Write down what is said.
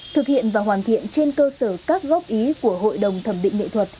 thực hiện và hoàn thiện trên cơ sở các góp ý của hội đồng thẩm định nghệ thuật